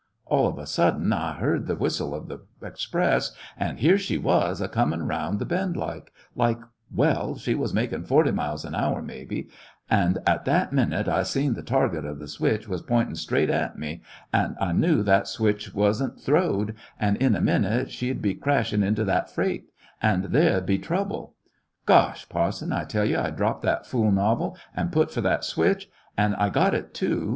All of a sudden I heard the whistle of the express, an' here she was, a com in' around the bend like— like— well, she was makin' forty miles an hour maybe 5 an' at that minute I seen the target of the switch was pointin' straight at me, an' I knew that switch was n't throwed, an' in a minute she 'd be ]VlissionarY in tge Great West crashin' into that freight, an' there 'd be trouble ! Gk)sh, parson ! I tell you I dropped that fool novel an' put for that switch ; an' I got it, too.